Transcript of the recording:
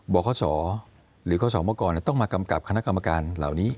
บอกข้อสอหรือข้อสอเมื่อก่อนเนี่ยต้องมากำกับคณะกรรมการเหล่านี้